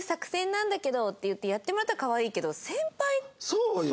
そうよ！